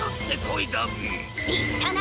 いったな！